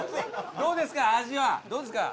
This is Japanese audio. どうですか？